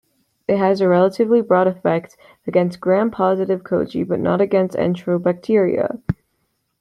It has a relatively broad effect against Gram-positive cocci but not against enterobacteria.